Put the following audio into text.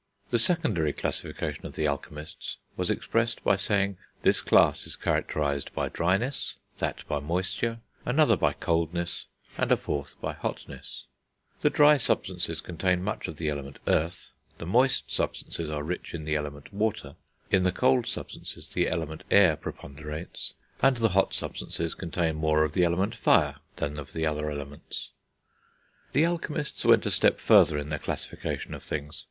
The secondary classification of the alchemists was expressed by saying; this class is characterised by dryness, that by moisture, another by coldness, and a fourth by hotness; the dry substances contain much of the element Earth, the moist substances are rich in the element Water, in the cold substances the element Air preponderates, and the hot substances contain more of the element Fire than of the other elements. The alchemists went a step further in their classification of things.